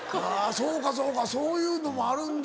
そうかそうかそういうのもあるんだ。